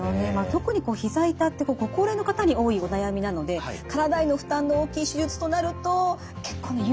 特にひざ痛ってご高齢の方に多いお悩みなので体への負担の大きい手術となると結構勇気が必要になりますよね。